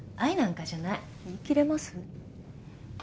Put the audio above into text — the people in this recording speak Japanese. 言い切れます？